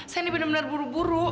saya ini bener bener buru buru